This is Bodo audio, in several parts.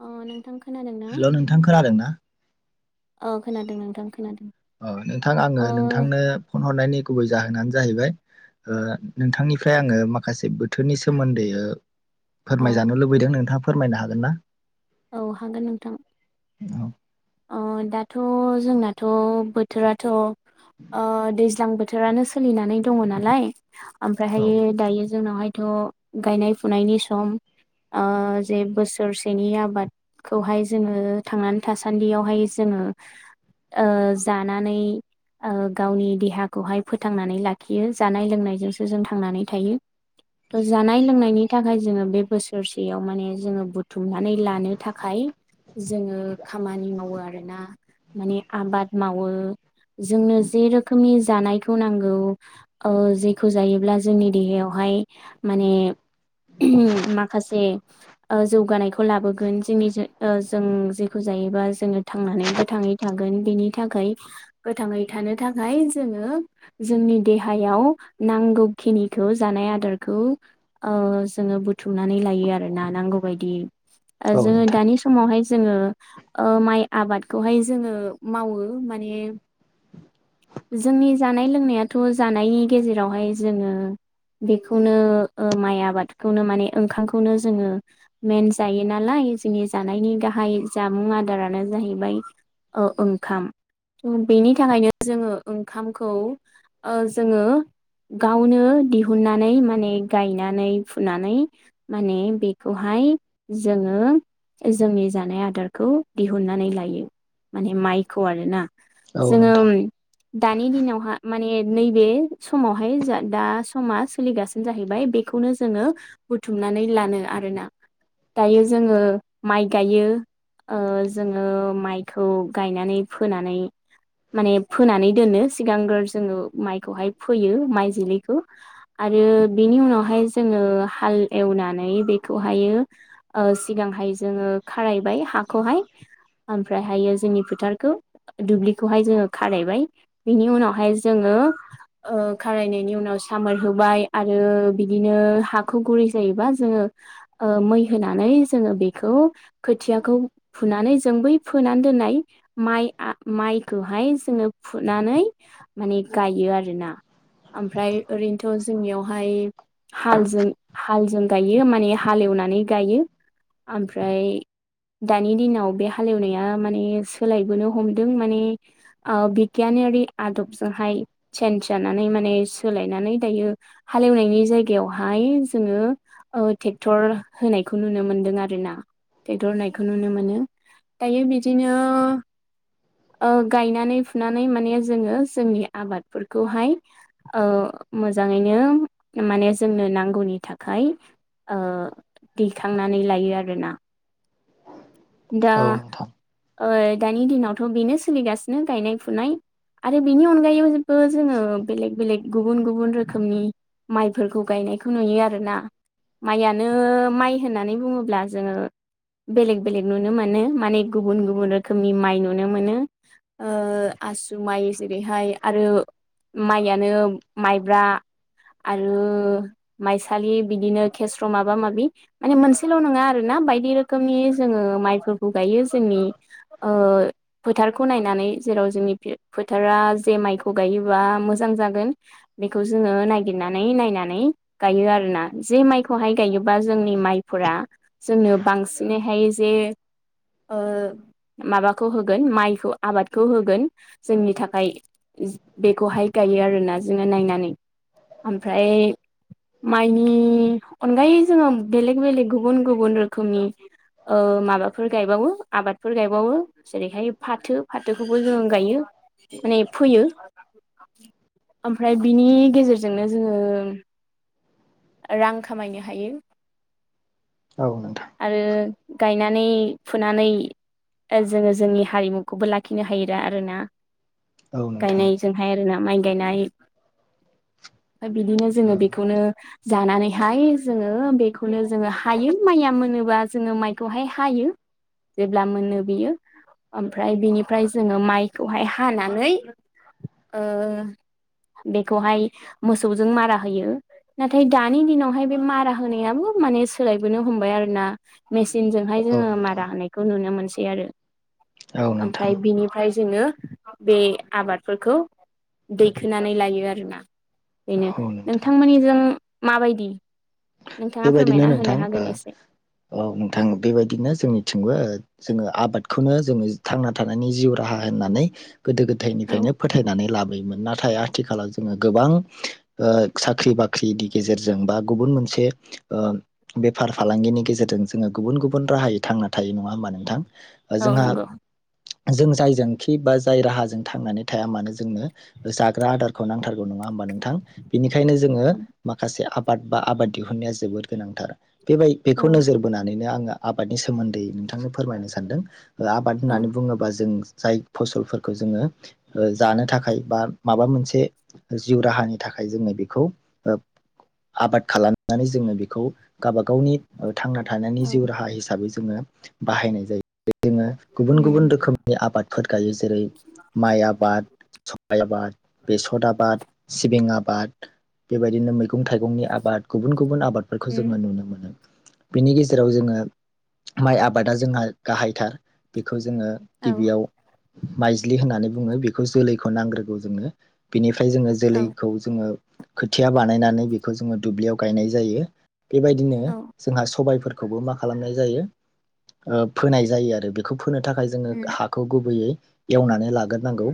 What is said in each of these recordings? अ नोंथां खोनादों ना? हेल' नोंथां खोनादों ना? औ खोनादों नोंथां खोनादों अ नोंथां आङो अ नोंथांनो फन हरनायनि गुबै जाहोनानो जाहैबाय ओ नोंथांनिफ्राय आङो माखासे बोथोरनि सोमोन्दै ओ औ फोरमायजानो लुबैदों नोंथाङा फोरमायनो हागोन ना? औ हागोन नोंथां। औ अ दाथ' जोंनाथ' बोथोराथ' ओ दैज्लां बोथोरानो सोलिनानै दङ नालाय ओमफ्रायहायो दायो जोंनावहाय थ' गायनाय फुनायनि सम ओ जे बोसोरसेनि आबादखौहाय जोङो थांनानै था सान्दियावहाय जोङो ओ जानानै ओ गावनि देहाखौहाय फोथांनानै लाखियो जानाय लोंनायजोंसो जों थांनानै थायो त' जानाय लोंनायनि थाखाय जोङो बे बोसोरसेयाव माने जोङो बुथुमनानै लानो थाखाय जोङो खामानि मावो आरोना माने आबाद मावो। जोंनो जे रोखोमनि जानायखौ नांगो ओ जेखौ जायोब्ला जोंनि देहायावहाय माने माखासे ओ जौगानायखौ लाबोगोन जों ओं जे खौ जायोबा जोङो थांनानै गोथाङै थागोन बेनि थाखाय गोथाङै थानो थाखाय जोङो जोंनि देहायाव नांगौखिनिखौ जानाय आदारखौ ओ जोङो बुथुमनानै लायो आरोना नांगौ बायदियै औ जोङो नोंथां दानि समावहाय जोङो ओ माइ आबादखौहाय जोङो मावो माने जोंनि जानाय लोंनायाथ' जानायनि गेजेरावहाय जोङो बेखौनो ओ माइ आबादखौनो माने ओंखामखौनो जोङो मेन जायो नालाय जोंनि जानायनि गाहाय जामुं आदारानो जाहैबाय ओ ओंखाम थ' बेनि थाखायनो जोङो ओंखामखौ ओ जोङो गावनो दिहुननानै माने गायनानै फुनानै माने बेखौहाय जोङो जोंनि जानाय आ दारखौ दिहुननानै लायो माने माइखौ आरोना औ जोङो नोंथां दानि दिनावहा माने नैबे समावहाय जा दा समा सोलिगासिनो जाहैबाय बेखौनो जोङो बुथुमनानै लानो आरोना दायो जोङो माइ गायो ओ जोङो माइखौ गायनानै फोनानै माने फोनानै दोनो सिगांग्रो जोङो माइखौहाय फोयो माइ जोलैखौ आरो बेनि उनावहाय जोङो हाल एवनानै बेखौहायो ओ सिगांहाय जोङो खारायबाय हाखौहाय ओमफ्रायहायो जोंनि फोथारखौ दुब्लिखौहाय जोङो खारायबाय बिनि उनावहाय जोङो ओ खारायनायनि उनाव सामोर होबाय आरो बिदिनो हाखौ गुरै जायोबा जोङो ओ मै होनानै जोङो बेखौ खोथियाखौ फुनानै जों बै फोनानै दोननाय माइ माइखौहाय जोङो फुनानै माने गायो आरोना ओमफ्राय ओरैनोथ' जोंनियावहाय हालजों हालजों गायो माने हालेवनानै गायो ओमफ्राय दानि दिनाव बे हालेवनाया माने सोलायबोनो हमदों माने ओ बिगियानारि आदबजोंहाय सेनस जानानै माने सोलायनानै दायो हालेवनायनि जायगायावहाय जोङो ओ ट्रेक्टर होनायखौ नुनो मोनदों आरो ना ट्रेक्टर होनाय खौ नुनो मोनो। दायो बिदिनो ओ गायनानै फुनानै माने जोङो जोंनि आबादफोरखौहाय ओ मोजाङैनो माने जोंनो नांगौनि थाखाय ओ दैखांनानै लायो आरोना। दा औ नोंथां ओ दानि दिनावथ' बेनो सोलिगासिनो गायनाय फुनाय आरो बेनि अनगायैबो जोङो बेलेग बेलेग गुबुन गुबुन रोखोमनि माइफोरखौ गायनायखौ नुयो आरोना माइयानो माइ होननानै बुङोब्ला जोङो बेलेग बेलेग नुनो मोनो माने गुबुन गुबुन रोखोमनि माइ नुनो मोनो ओ आसु माइ जेरैहाय आरो माइयानो माइब्रा आरो माइसालि बिदिनो खेस्र' माबा माबि माने मोनसेल' नङा आरो ना बायदि रोखोमनि जोङो माइफोरखौ गायो जोंनि ओ फोथारखौ नायनानै जेराव जोंनि फोथारा जे माइखौ गायोबा मोजां जागोन बेखौ जोङो नायागिरनानै नायनानै गायो आरोना जे माइखौहाय गायोबा जोंनि माइफोरा जोंनो बांसिनैहाय जे ओ माबाखौ होगोन माइखौ आबादखौ होगोन जोंनि थाखाय बेखौहाय गायो आरोना जोङो नायनानै ओमफ्राय माइनि अनगायै जोङो बेलेग बेलेग गुबुन गुबुन रोखोमनि ओ माबाफोर गायबावो आबादफोर गायबावो जेरैहाय फाथो फाथोखौबो जों गायो माने फोयो ओमफ्राय बिनि गेजेरजोंनो जोङो रां खामायनो हायो औ नोंथां आरो गायनानै फुनानै जोङो जोंनि हारिमुखौबो लाखिनो हायो आरोना औ नोंथां औ नोंथां गायनायजोंहाय आरोना माइ गायनाय ओमफ्राय बिदिनो जोङो बेखौनो जानानैहाय जोङो बेखौनो जोङो हायो माइया मोनोबा जोङो माइ खोहाय हायो जेब्ला मोनो बियो ओमफ्राय बिनिफ्राय जोङो माइखौहाय हानानै ओ बेखौहाय मोसौजों मारा होयो नाथाय दानि दिनावहाय बे मारा होनायाबो माने सोलायबोनो हमबाय आरोना मे सिन जोंहाय जोङो मारा होनायखौ नुनो मोनसै आरो औ नोंथां ओमफ्राय बिनिफ्राय जोङो बे आबादफोरखौ दैखोनानै लायो आरोना बेनो औ नोंथां नोंथांमोननिजों माबायदि? नोंथाङा बेबायदिनो फोरमायना होनो नोंथां ओ हागोन एसे औ नोंथां बेबायदिनो जोंनिथिंबो जोङो आबादखौनो जोङो थांना थानायनि जिउ राहा होननानै गोदो औ गोदायनिफ्रायनो फोथायनानै लाबो मोन नाथाय आथिखालाव जोङो गोबां ओ साख्रि बाख्रि दि गेजेरजों बा गुबुन मोनसे ओ बेफार फालांगिनि गेजेरजों जोङो गुबुन गुबुन राहायै थांना थायो नङा होमबा नोंथां औ जोंहा नंगौ जों जायजोंखि बा जाय राहाजों थांनानै थाया मानो जो जाग्रा आदारखौ नांथारगौ नङा हबा नोंथां बेनिखायनो जोङो औ माखासे आबा बाद आबाद दि दिहुननाया जोबोद गोनांथार बेबाय बेखौ नोजोर औ बोनानैनो आङो आबादनि सोमोन्दै नोंथां नो फोरमायनो सानदों आबाद होननानै बुङोबा जों जाय फसलफोरखौ जोङो जानो थाखाय बा माबा मोनसे जिउ राहानि थाखाय जोङो बेखौ आबाद ओ खालाम नानै जोंनो बेखौ गावबा गावनि ओ थांना थानायनि औ जिउ राहा हिसाबै जोङो बाहायनाय जायो जोङो गुबुन गुबुन उम रोखोमनि आबादफोर गायो जेरै माइ आबाद सबाइ आबाद बेसर आबाद सिबिं आबाद बेबायदिनो मैगं मैगं थाइगंनि आबाद गुबुन गुबुन आबादफोरखौ उम जोङो नुनो मोनो बिनि गेजेराव जोङो माइ आबादा जोंहा गाहायथार बेखौ खौ जोङो औ गिबियाव माइज्लि होननानै बुङो बेखौ जोलैखौ नांग्रोगौ जोंनो बेनिफा ओमफ्राय जोङो औ जोलैखौ जोङो खोथिया बानायनानै बेखौ जोङो दुब्लियाव गायनाय जायो बेबायदिनो औ जोंहा सबायफोरख खौबो मा खालामनाय जायो ओ फोनाय जायो आरो बेखौ फो फोनो थाखाय जोङो उम हाखौ गुबैयै एवनानै लाग्रोनांगौ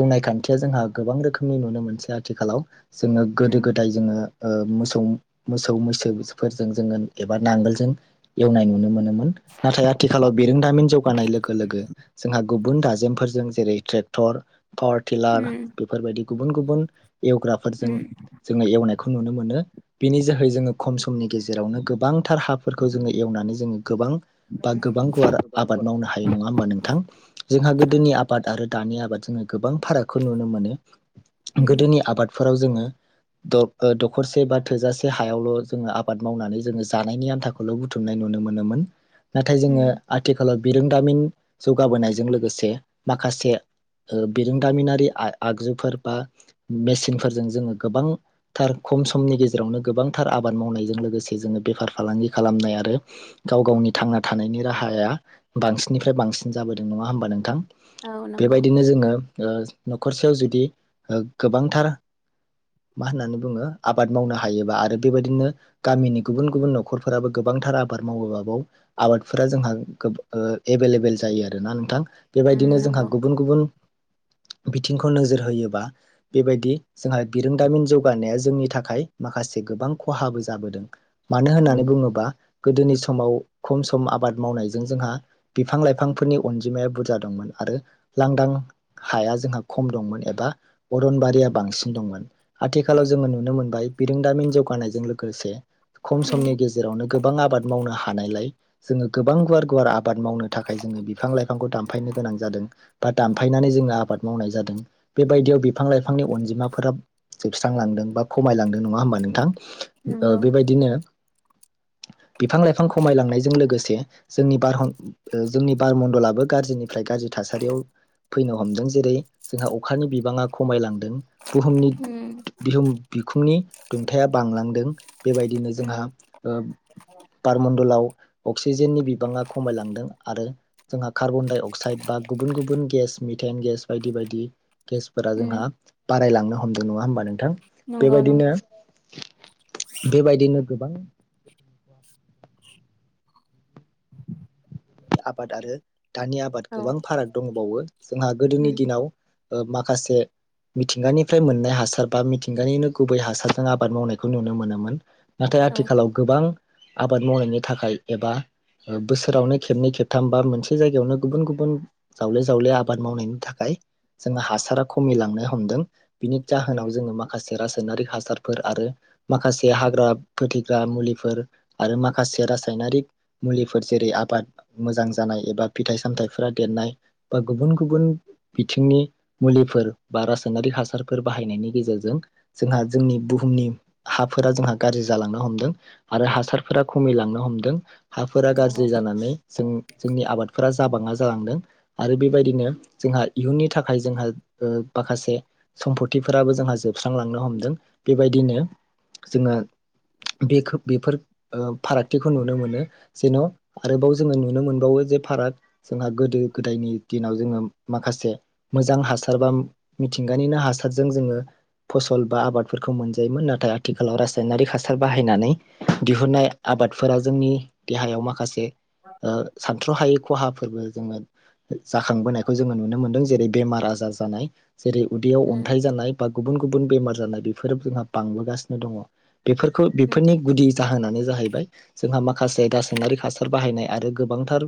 एवनाय खान्थिया जोंहा गोबां रोखोमनि नुनो मोनसै आथिखालाव जोङो उम गोदो गोदाय जोङो ओ मोसौ मोसौ मैसोफोरजों जोङो एबा नांगोलजों एवनाय नुनो मोनो नाथाय आथिखालाव बिरोंदामिन जौगानाय लोगो लोगो जोंहा गुबुन गुबुन दाजेमफोरजों जेरै ट्रेक्टर पावार टिलार उम बेफोरबायदि गुबुन गुबुन एवग्राफोरजों उम जोङो एवनायखौ नुनो मोनो। बिनि जोहै जोङो खमसे समनि गेजेरावनो गोबांथार हाफोरखौ जोङो एवनानै जोङो गोबां बा गोबां गुवार आबाद मावनो हायो नङा होमबा नोंथां जोंहा गोदोनि आबाद आरो दानि आबादजोंनो गोबां फारागखौ नुनो मोनो उम गोदोनि आबादफोराव जोङो दखरसे बा थोजासे हायावल' जोङो आबाद मावनानै जोङो जानायनि आन्थाखौल' बुथुमनाय नुनो मोनोमोन। नाथाय जोङो उम आथिखालाव बिरोंदामिन जौगाबोनायजों लोगोसे माखासे बिरोंदामिनारि आगजुफोर बा मेसिनफोरजों जोङो गोबांथार खम समनि गेजेरावजों जेरावनो गोबांथार आबाद मावनायजों लोगोसे जोङो बेफार फालांगि खालामनाय आरो गाव गावनि थांना थानायनि राहाया बांसिननिफ्राय बांसिन जाबोदों नङा होमबा नोंथां। औ नंगौ बेबायदिनो जोङो न'खरसेयाव जुदि गोबांथार मा होननानै बुङो आबाद आबाद मावनो हायोबा आरो बेबायदिनो गामिनि गुबुन गुबुन न'खरफोराबो गोबांथार आबाद मावोबाबाव आबादफोरा जोंहा एभेलेबेल जायो आरोना नोंथां। उम बेबायदिनो जोंहा नंगौ गुबुन गुबुन बिथिंखौ नोजोर होयोबा बेबायदि जोंहा बिरोंदामिन जौगानाया जोंनि थाखाय माखासे गोबां खहाबो जाबोदों मानो होननानै उम बुङोबा गोदोनि समाव खम सम आबाद मावनायजों जोंहा बिफां लाइफांफोरनि अनजिमाया बुरजा दंमोन आरो लांदां हाया जोंहा खम दंमोन एबा अरनबारिया बांसिन दंमोन। आथिखालाव जोङो नुनो मोनबाय बिरोंदामिन जौगानायजों लोगोसे खम समनि उम गेजेरावनो गोबां आबाद मावनो हानायलाय जोङो गोबां गुवार गुवार आबाद मावनो थाखाय जोङो बिफां लाइफांखौ दानफायनो गोनां जादों बा दामफायनानै जोङो आबाद मावनाय जादों बेबायदियाव बिफां लाइफांनि अनजिमाफोरा जोबस्रांलांदों बा खमायलांदों नङा होमबा नोंथां? नंगौ बेबायदिनो बिफां लाइफां खमायलांनायजों लोगोसे जोंनि बार जोंनि बारमणडलाबो गाज्रिनिफ्राय गाज्रि थासारियाव फैनो हमदों जेरै जोंहा अखानि बिबाङा खमायलांदों बुहुमनि उम बिह बिखुंनि दुंथाया बांलांदों बेबायदिनो जोंहा उम ओ बारमणडलाव अक्सिजेननि बिबाङा खमायलांदों आरो जोंहा कार्बन डाइ अक्साइड बा गुबुन गुबुन गेस मिथाइन गेस बायदि बायदि गेसफोरा जोंहा उम बारायलांनो हमदों नङा होमबा नोंथां नंगौ नंगौ। बेबायदिनो बेबायदिनो गोबां आबाद आरो दानि आबाद औ गोबां फाराग दंबावो जोंहा गोदोनि उम दिनाव माखासे मिथिंगानिफ्राय मोननाय हासार बा मिथिंगानिनो गुबै हासारजों आबाद मावनायखौ नुनो मोनोमोन नाथाय औ आथिखालाव गोबां आबाद मावनायनि थाखाय एबा बोसोरावनो खेबनै खेबथाम बा मोनसे जायगायावनो गुबुन गुबुन जावले जावले आबाद मावनायनि थाखाय जों हासारा खमिलांनो हमदों। बिनि जाहोनाव उम जोङो माखासे रासायनारिक हासारफोर आरो माखासे हाग्रा फोथग्रा मुलिफोर आरो माखासे रासायनारिक मुलिफोर जेरै आबाद मोजां जानाय एबा फिथाइ सामथायाइफोरा देरनाय बा गुबुन गुबुन बिथिंनि मुलिफोर बा रासायनारि हासारफोर बाहायनायनि गेजेरजों जोंहा जोंनि बुहुमनि हाफोरा जोंहा गाज्रि जालांनो हमदों आरो हासारफोरा खमिलांनो हमदों हाफोरा गाज्रि नंगौ जानानै जों जोंनि आबादफोरा जाबाङा जालांदों। आरो बेबायदिनो जोंहा इयुननि थाखाय जोंहा ओ माखासे सम्फतिफोराबो जोंहा जोबस्रांलांनो हमदों। बेबायदिनो जोङो बेखौ बेफोर फारागथिखौ नुनो मोनो जेन' आरोबाव जोङो नुनो मोनबावो जे फाराग जोंहा गोदो गोदायनि दिनाव जोङो माखासे मोजां हासार बा मिथिंगानिनो हासारजों जोङो फसल बा आबादफोरखौ मोनजायोमोन नाथाय आथिखालाव रासायनारिक हासार बाहायनानै दिहुुननाय आबादफोरा जोंनि देहायाव माखासे ओ सानथ्र'हायै खहाफोरबो जोङो जाखांबोनायखौ जोङो नुनो मोनदों जेरै बेमार आजार जानाय जेरै उदैयाव उम अन्थाइ जानाय बा गुबुन गुबुन बेमार जानाय बेफोरो जोंहा बांबोगासिनो दङ। बेफोरखौ उम बेफोरनि गुदि जाहोनानो जाहैबाय। जोंहा माखासे रासायनारि हासार बाहायनाय आरो गोबांथार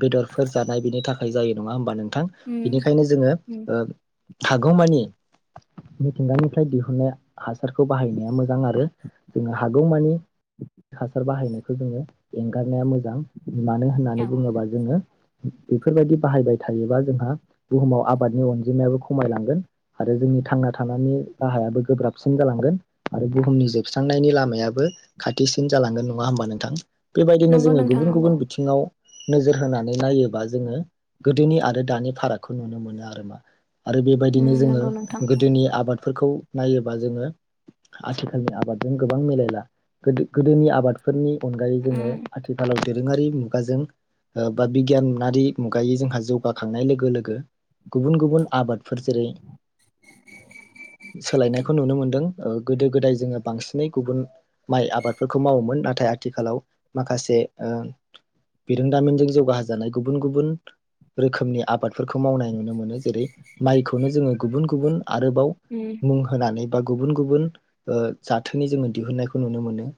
बेदरफोर जानाय बेनि थाखाय जायो नङा होमबा नों थां उम बिनिखायनो जोङो उम हागौमानि मिथिंगानिफ्राय दिहुनन्नाय हासारखौ बाहायनाया मोजां आरो जोङो हागौमानि हासार बाहायनायखौ जोङो एंगारनाया मोजां मानो होननानै औ बुङोबा जोङो बेफोरबायदि बाहायबाय थायोबा जोंहा बुहुमाव आबादनि अनजिमायाबो खमायलांगोन आरो जोंनि थांना थानायनि राहायाबो गोब्राबसिन जालांगोन आरो बुहुमनि जोबस्रांनायनि लामायाबो खाथिसिन जालांगोन नङा होमबा नोंथां बेबायदिनो नंगौ जोङो नोंथां गुबुन नंगौ गुबुन ङाव नोजोर होनानै नायोबा जोङो गोदोनि आरो दानि फारागखौ नुनो मोनो आरो मा? आरो उम बेबायदिनो जोङो नंगौ नोंथां गोदोनि आबादफोरखौ नायोबा जोङो आथिखालनि आबादजों गोबां मिलायला गोदो गोदोनि आबादफोरनि अनगायै जोङो उम आथिखालाव दोरोङारि मुगाजों बा बिगियानारि मुगायै जोंहा जौगाखांनाय लोगो लोगो गुबुन गुबुन आबादफोर जेरै सोलायनायखौ नुनो मोनदों गोदो गोदाय जोङो बांसिनै गुबुन माइ आबादफोरखौ मावोमोन नाथाय आथिखालाव माखासे ओ बिरोंदामिनजों जौगाहोजानाय गुबुन गुबुन रोखोमनि आबादफोरखौ मावनाय नुनो मोनो जेरै माइखौनो जोङो गुबुन गुबुन आरोबाव उम मुं होनानै बा गुबुन गुबुन ओ जाथोनि जोङो दिहुननायखौ नुनो मोनो।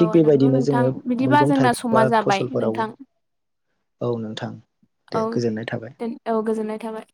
औ थिग नंगौ बेबायदिनो नोंथां जोङो बिदिबा मैगं जोंना थाइगं बा समा जाबाय फसलफोरावबो नोंथां औ नोंथां औ दे गोजोननाय थाबाय। दे औ गोजोननाय थाबाय।